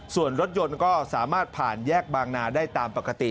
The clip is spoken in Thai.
ส่วนรถยนต์ก็สามารถผ่านแยกบางนาได้ตามปกติ